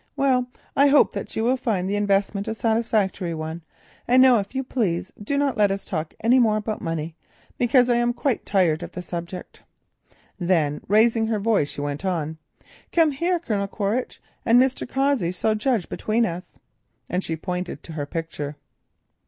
"Well, I hope that you will find the investment a satisfactory one. And now, if you please, do not let us talk any more about money, because I am quite tired of the subject." Then raising her voice she went on, "Come here, Colonel Quaritch, and Mr. Cossey shall judge between us," and she pointed to her picture.